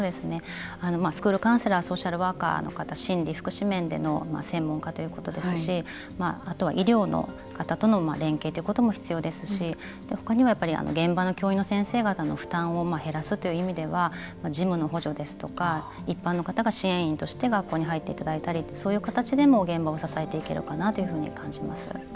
スクールカウンセラーソーシャルワーカーの方心理、福祉面での専門家ということですしあとは医療の方との連携ということも必要ですし他にはやっぱり現場の教員の先生方の負担を減らすという意味では事務の補助ですとか一般の方が支援員として学校に入っていただいたりそういう方でも現場を支えていけるかなというふうに感じています。